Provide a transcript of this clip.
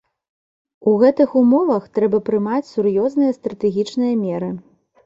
У гэтых умовах трэба прымаць сур'ёзныя стратэгічныя меры.